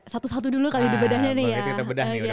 satu satu dulu kali bedahnya nih ya